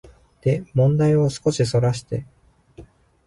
で問題を少しそらして、